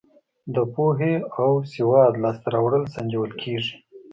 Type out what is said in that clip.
د پوهې او سواد لاس ته راوړل سنجول کیږي.